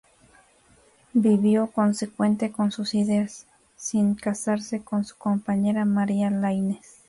Vivió consecuente con sus ideas, sin casarse, con su compañera María Laínez.